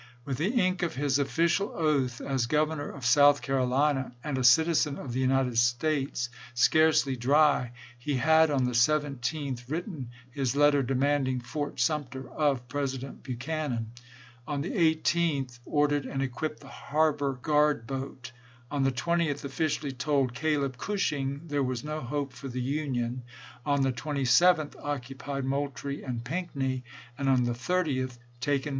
With the ink of his official oath as Governor of South Carolina and a citizen of the United States scarcely dry, he had, on the 17th, written his letter demanding Fort Sumter of President Buchanan ; on the 18th, ordered and equipped the harbor guard boat; on the 20th, officially told Caleb Cushing there was no hope for the Union ; on the 27th, occupied Moultrie and Pinckney ; and on the 30th, taken pp. a, sa.